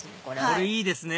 これいいですね！